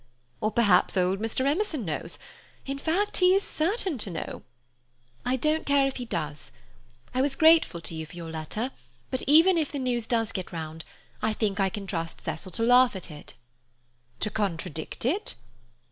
"Or perhaps old Mr. Emerson knows. In fact, he is certain to know." "I don't care if he does. I was grateful to you for your letter, but even if the news does get round, I think I can trust Cecil to laugh at it." "To contradict it?"